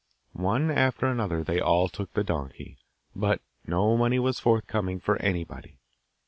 One after another they all took the donkey, but no money was forthcoming for anybody.